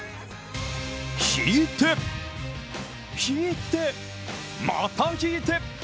引いて、引いて、また引いて。